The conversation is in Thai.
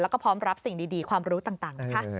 แล้วก็พร้อมรับสิ่งดีความรู้ต่างนะคะ